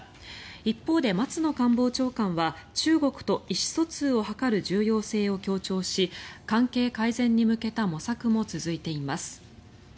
一方で松野官房長官は中国と意思疎通を図る重要性を強調し関係改善に向けた模索も続いています。